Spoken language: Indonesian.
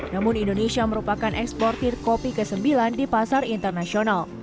namun indonesia merupakan eksportir kopi ke sembilan di pasar internasional